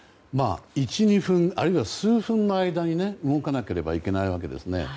１２分あるいは数分の間に動かなければいけないわけです。